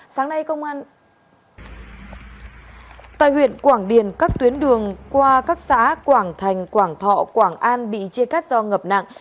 sáng nay công an tại huyện quảng điền cắt tuyến đường qua các xã quảng thành quảng thọ quảng an bị chia cắt do ngập nặng